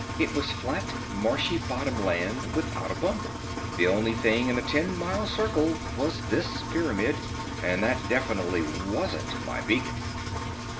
It was flat, marshy bottom land without a bump. The only thing in a ten mile circle was this pyramid and that definitely wasn't my beacon.